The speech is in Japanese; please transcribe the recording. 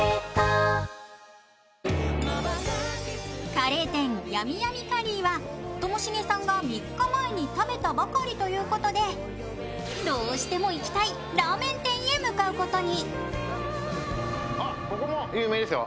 カレー店、ＹＡＭＩＹＡＭＩカリーはともしげさんが３日前に食べたばかりということで、どうしても行きたいラーメン店へ向かうことに。